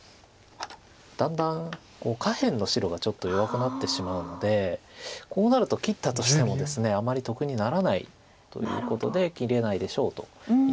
だんだん下辺の白がちょっと弱くなってしまうのでこうなると切ったとしてもですねあまり得にならないということで切れないでしょうと言ってます。